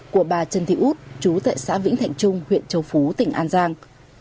của bà trần thị út chú tại xã vĩnh thạnh trung huyện châu phú tỉnh an giang